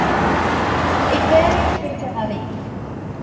It varies regionally.